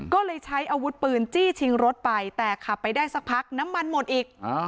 ก็เลยใช้อาวุธปืนจี้ชิงรถไปแต่ขับไปได้สักพักน้ำมันหมดอีก